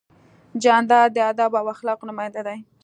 جانداد د ادب او اخلاقو نماینده دی.